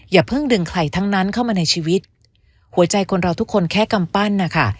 อย่าเพิ่งดึงใครทั้งนั้นเข้ามาในชีวิตหัวใจคนเราทุกคนแค่กำปั้นนะคะ